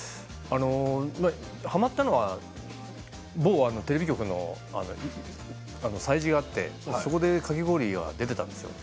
はまったのは某テレビ局の催事があってそこでかき氷が出てたんですよ